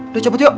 udah cepet yuk